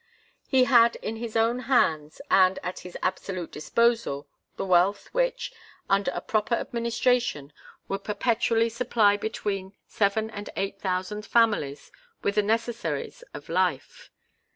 He had in his own hands and at his absolute disposal the wealth which, under a proper administration, would perpetually supply between seven and eight thousand families with the necessaries of life.